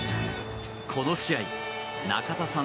この試合、中田さん